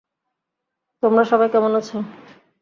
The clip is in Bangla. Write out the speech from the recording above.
তোমরা সবাই কেমন আছ?